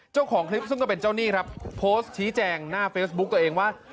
เจ้าของคลิปซึ่งก็เป็นเจ้าหนี้ครับโพสต์ชี้แจงหน้าเฟซบุ๊กตัวเองว่า